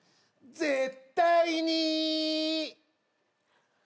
絶対に。